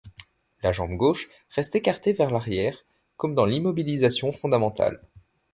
La jambe gauche reste écartée vers l’arrière comme dans l’immobilisation fondamentale.